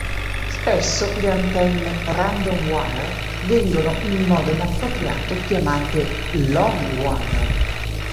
Spesso le antenne "random wire" vengono in modo inappropriato chiamate "long-wire".